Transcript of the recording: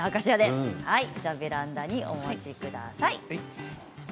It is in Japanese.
ベランダにお持ちください。